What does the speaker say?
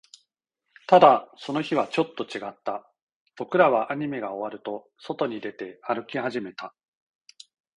ただ、その日はちょっと違った。僕らはアニメが終わると、外に出て、歩き始めた。